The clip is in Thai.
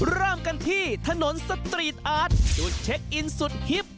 เริ่มกันที่ถนนสตรีทอาร์ตจุดเช็คอินสุดฮิป